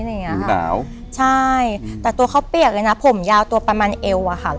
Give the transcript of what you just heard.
หนาวใช่แต่ตัวเขาเปียกเลยนะผมยาวตัวประมาณเอวอะค่ะ